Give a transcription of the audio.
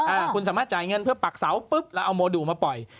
อ่าคุณสามารถจ่ายเงินเพื่อปักเสาปุ๊บเราเอาโมดูมาปล่อย